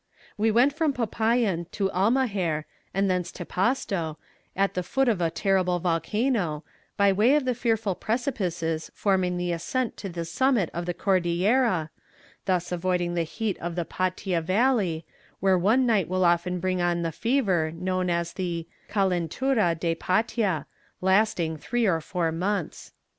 "We went from Popayan to Almager and thence to Pasto, at the foot of a terrible volcano, by way of the fearful precipices forming the ascent to the summit of the Cordillera, thus avoiding the heat of the Patia valley, where one night will often bring on the fever known as the Calentura de Patia, lasting three or four months."